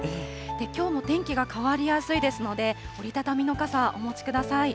きょうも天気が変わりやすいですので、折り畳みの傘、お持ちください。